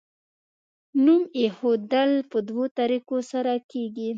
نوم ایښودل په دوو طریقو سره کیږي.